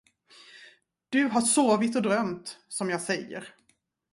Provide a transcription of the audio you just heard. Du har sovit och drömt, som jag säger.